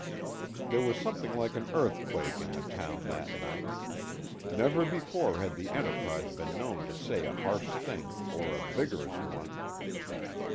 There was something like an earthquake in the town that night. Never before had the Enterprise been known to say a harsh thing or a vigorous one.